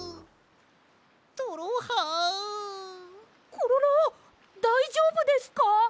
コロロだいじょうぶですか？